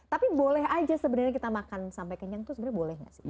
tapi boleh aja sebenarnya kita makan sampai kenyang itu sebenarnya boleh nggak sih